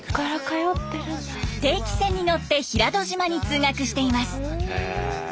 定期船に乗って平戸島に通学しています。